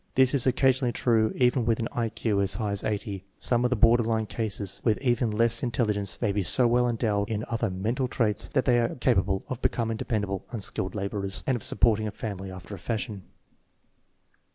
This is occasionally true even with an I Q as high as 80. Some of the border line cases, with even less intelli gence, may be so well endowed in other mental traits that they are capable of becoming dependable unskilled laborers, and of supporting a family after a fashion.